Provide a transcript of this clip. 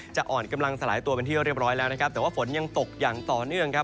อ่อนกำลังสลายตัวเป็นที่เรียบร้อยแล้วนะครับแต่ว่าฝนยังตกอย่างต่อเนื่องครับ